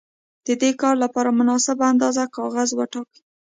د دې کار لپاره مناسبه اندازه کاغذ وټاکئ.